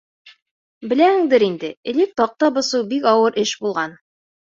Беләһеңдер инде, элек таҡта бысыу бик ауыр эш булған.